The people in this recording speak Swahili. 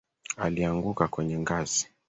Alianguka kwenye ngazi